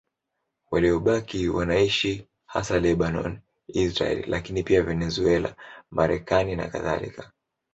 Waliobaki wanaishi hasa Lebanoni, Israeli, lakini pia Venezuela, Marekani nakadhalika.